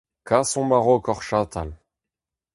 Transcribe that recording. Kasomp a-raok hor chatal !